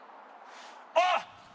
あっ！